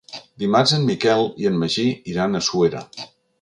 Dimarts en Miquel i en Magí iran a Suera.